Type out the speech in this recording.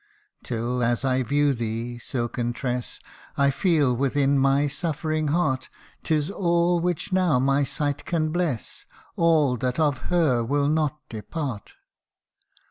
Till as I view thee, silken tress, I feel within my suffering heart, 'Tis all which now my sight can bless, All that of her will not depart.